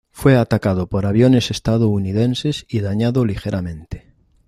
Fue atacado por aviones estadounidenses y dañado ligeramente.